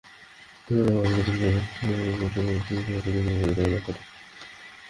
কেননা, পানি নতুন রক্ত কোষ এবং পেশি কোষ জন্মানোর প্রক্রিয়ায় সহায়তা করে।